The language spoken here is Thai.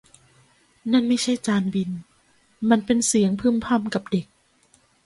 นั่นไม่ใช่จานบินมันเป็นเสียงพึมพำกับเด็ก